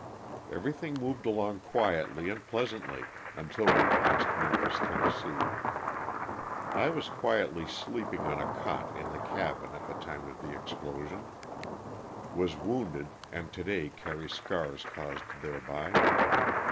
Everything moved along quietly and pleasantly until we passed Memphis, Tenn. I was quietly sleeping on a cot in the cabin at the time of the explosion. Was wounded, and today carry scars caused thereby.